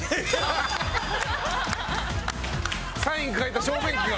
サイン書いた小便器が！